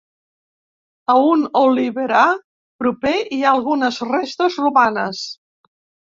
A un oliverar proper hi ha algunes restes romanes.